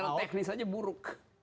secara teknis saja buruk